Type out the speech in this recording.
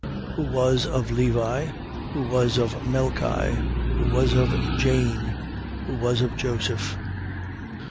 Who was of Levi, who was of Melchi. who was of Janne, who was of Joseph, 3:25.